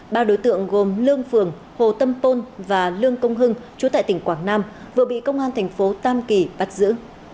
ba đối tượng gồm lương phường hồ tâm tôn và lương công hưng chú tại tỉnh quảng nam vừa bị công an thành phố tam kỳ bắt giữ